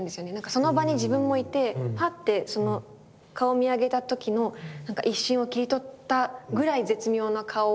その場に自分もいてハッて顔を見上げた時の一瞬を切り取ったぐらい絶妙な顔を男の人がしていて。